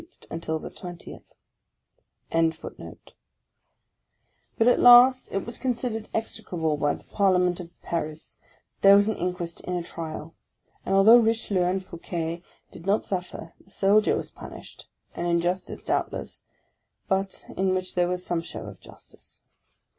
1 But at last it was con sidered execrable by the parliament of Paris, there was an inquest and a trial; and, although Richelieu and Fouquet did not suffer, the soldier was punished, — an injustice doubtless, but in which there was some show of justice.